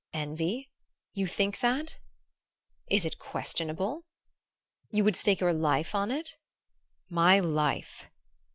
"Envy you think that?" "Is it questionable?" "You would stake your life on it?" "My life!"